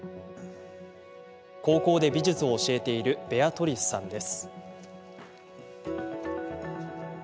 高校で美術を教えているベアトリスさんです。